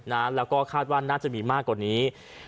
นะแล้วก็คาดว่าน่าจะมีมากกว่านี้